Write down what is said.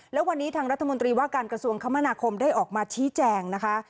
แล้ววันนี้ทางรัฐมนตรีว่าการกระทรวงคมนาคมได้ออกมาชี้แจงนะคะ